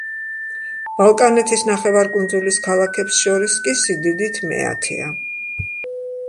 ბალკანეთის ნახევარკუნძულის ქალაქებს შორის კი სიდიდით მეათეა.